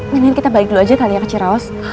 mendingan kita balik dulu aja kali ya ke cirawas